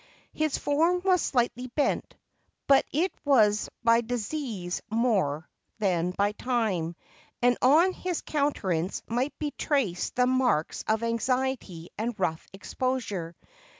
His form was slightly bent, — but it was by disease more than by time, — and on his countenance might be traced the marks of anxiety and rough exposure.